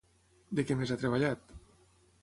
De què més ha treballat?